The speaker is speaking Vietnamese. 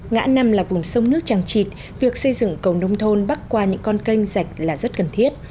ngã năm là vùng sông nước tràng trịt việc xây dựng cầu nông thôn bắc qua những con canh rạch là rất cần thiết